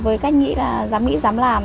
với cách nghĩ là dám nghĩ dám làm